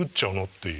っていう。